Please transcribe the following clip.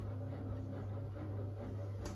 তোমরা হলে খুনী!